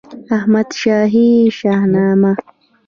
احمدشاهي شهنامه